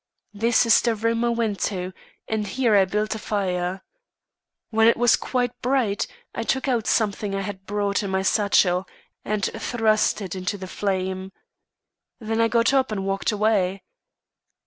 This is the room I went to, and here I built a fire. When it was quite bright, I took out something I had brought in my satchel, and thrust it into the flame. Then I got up and walked away.